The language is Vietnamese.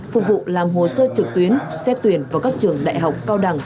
phục vụ làm hồ sơ trực tuyến xét tuyển vào các trường đại học cao đẳng